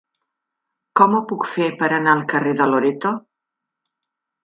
Com ho puc fer per anar al carrer de Loreto?